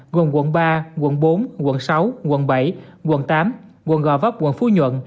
gồm quận ba quận bốn quận sáu quận bảy quận tám quận gò vấp quận phú nhuận